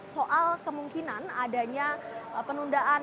soal kemungkinan adanya penundaan